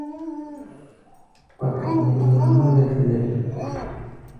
Paturu nyɔŋa nɔ́ lɛ́t-lɛ́t.